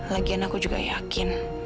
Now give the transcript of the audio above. lagian aku juga yakin